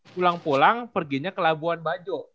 pulang pulang perginya ke labuan bajo